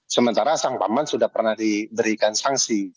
sementara sang paman sudah pernah diberikan sanksi